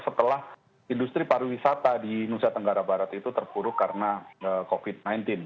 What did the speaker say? setelah industri pariwisata di nusa tenggara barat itu terpuruk karena covid sembilan belas